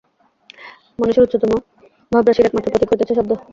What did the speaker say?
মানুষের উচ্চতম ভাবরাশির একমাত্র প্রতীক হইতেছে শব্দ।